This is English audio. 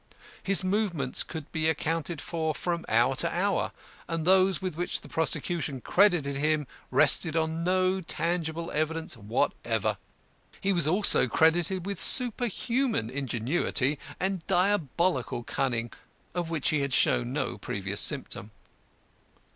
His movements could be accounted for from hour to hour and those with which the prosecution credited him rested on no tangible evidence whatever. He was also credited with superhuman ingenuity and diabolical cunning of which he had shown no previous symptom.